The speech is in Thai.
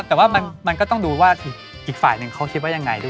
แต่ว่ามันก็ต้องดูว่าอีกฝ่ายหนึ่งเขาคิดว่ายังไงด้วย